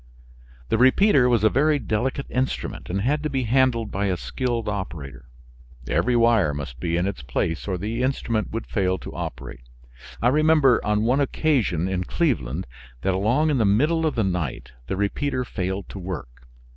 The repeater was a very delicate instrument and had to be handled by a skilled operator. Every wire must be in its place or the instrument would fail to operate. I remember on one occasion in Cleveland that along in the middle of the night the repeater failed to work.